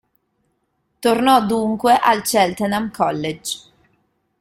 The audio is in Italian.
Tornò dunque al Cheltenham College.